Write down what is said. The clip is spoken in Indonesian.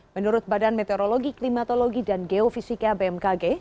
menurut badan meteorologi klimatologi dan geofisika bmkg